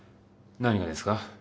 何がですか？